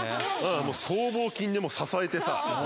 僧帽筋でもう支えてさ。